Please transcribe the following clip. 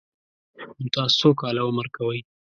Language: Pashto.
_نو تاسو څو کاله عمر کوئ؟